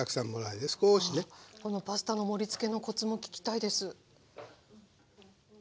パスタの盛りつけのコツも聞きたいです。